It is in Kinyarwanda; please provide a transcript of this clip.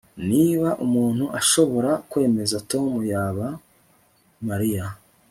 Niba umuntu ashobora kwemeza Tom yaba Mariya